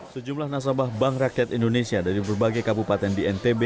sejumlah nasabah bank rakyat indonesia dari berbagai kabupaten di ntb